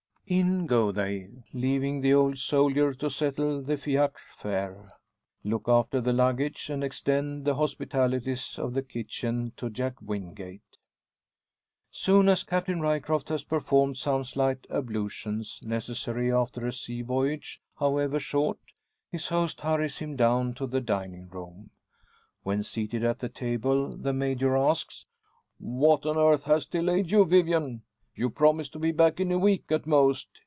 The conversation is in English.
In go they, leaving the old soldier to settle the fiacre fare, look after the luggage, and extend the hospitalities of the kitchen to Jack Wingate. Soon as Captain Ryecroft has performed some slight ablutions necessary after a sea voyage however short his host hurries him down to the dining room. When seated at the table, the Major asks "What on earth has delayed you, Vivian? You promised to be back in a week at most.